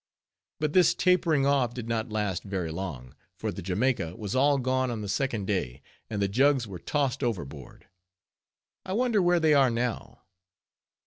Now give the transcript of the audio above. But this tapering off did not last very long, for the Jamaica was all gone on the second day, and the jugs were tossed overboard. I wonder where they are now?